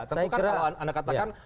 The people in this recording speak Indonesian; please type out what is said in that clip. tentu kan kalau anda katakan